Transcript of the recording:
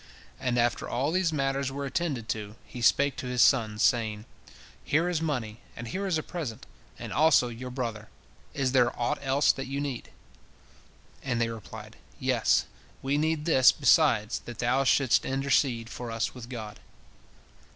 And after all these matters were attended to, he spake to his sons, saying: "Here is money, and here is a present, and also your brother. Is there aught else that you need?" And they replied, Yes, we need this, besides, that thou shouldst intercede for us with God."